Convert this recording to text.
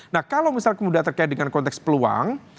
nah kalau misal kemudian terkait dengan konteks peluang